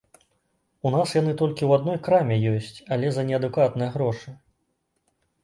У нас яны толькі ў адной краме ёсць, але за неадэкватныя грошы.